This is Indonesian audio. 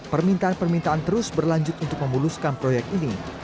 permintaan permintaan terus berlanjut untuk memuluskan proyek ini